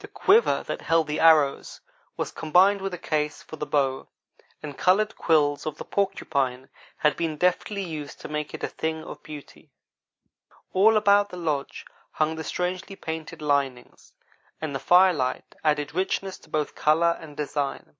The quiver that held the arrows was combined with a case for the bow, and colored quills of the porcupine had been deftly used to make it a thing of beauty. All about the lodge hung the strangely painted linings, and the firelight added richness to both color and design.